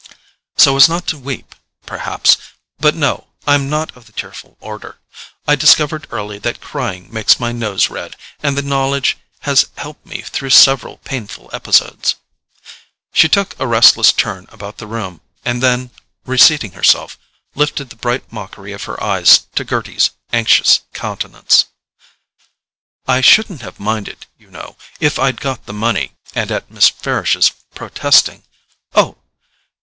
"So as not to weep, perhaps. But no—I'm not of the tearful order. I discovered early that crying makes my nose red, and the knowledge has helped me through several painful episodes." She took a restless turn about the room, and then, reseating herself, lifted the bright mockery of her eyes to Gerty's anxious countenance. "I shouldn't have minded, you know, if I'd got the money—" and at Miss Farish's protesting "Oh!"